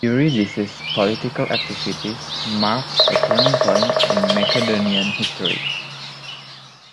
Eurydice's political activities mark a turning point in Macedonian history.